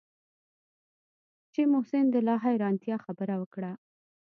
چې محسن د لا حيرانتيا خبره وکړه.